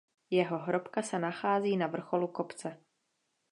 Jeho hrobka se nachází na vrcholu kopce.